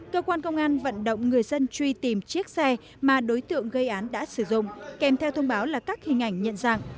cơ quan công an vận động người dân truy tìm chiếc xe mà đối tượng gây án đã sử dụng kèm theo thông báo là các hình ảnh nhận dạng